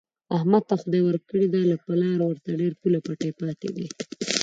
احمد ته خدای ورکړې ده، له پلاره ورته ډېر پوله پټی پاتې دی.